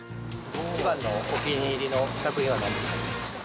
一番のお気に入りの作品はなんですか。